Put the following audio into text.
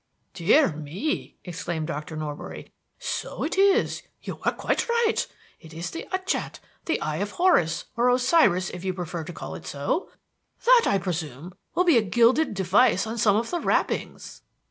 "Dear me!" exclaimed Dr. Norbury, "so it is. You are quite right. It is the Utchat the Eye of Horus or Osiris, if you prefer to call it so. That, I presume, will be a gilded device on some of the wrappings."